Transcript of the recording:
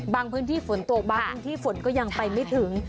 พื้นที่ฝนตกบางพื้นที่ฝนก็ยังไปไม่ถึง